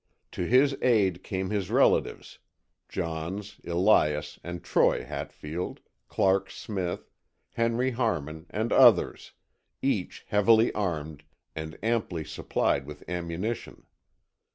To his aid came his relatives, Johns, Elias and Troy Hatfield, Clark Smith, Henry Harmon and others, each heavily armed, and amply supplied with ammunition.